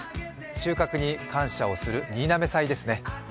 収穫に感謝をする新嘗祭ですね。